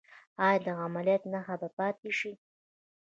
ایا د عملیات نښه به پاتې شي؟